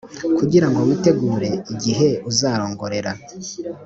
kugira ngo witegure igiheb uzarongorera